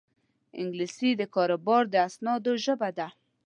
انګلیسي د کاروبار د اسنادو ژبه ده